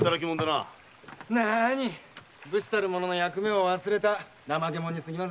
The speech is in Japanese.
なあに武士たる者の役目を忘れた怠け者にすぎませんよ。